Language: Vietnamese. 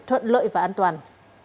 thuận lợi và an toàn